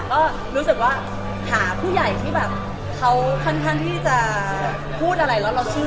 ก็รู้สึกว่าหาผู้ใหญ่ที่แบบเขาค่อนข้างที่จะพูดอะไรแล้วเราเชื่อ